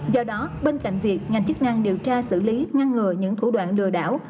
do đó bên cạnh việc ngành chức năng điều tra xử lý ngăn ngừa những thủ đoạn lừa đảo